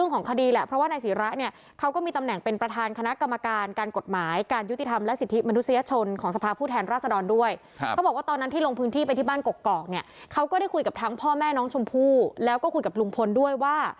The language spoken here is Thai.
นายศิราคือลงพื้นที่บ้านกกอกด้วยตัวเองนะคะ